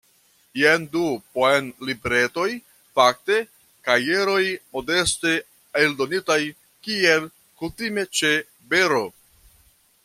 Jen du poemlibretoj, fakte kajeroj modeste eldonitaj, kiel kutime ĉe Bero.